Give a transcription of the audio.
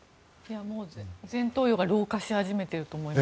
もう前頭葉が老化し始めていると思います。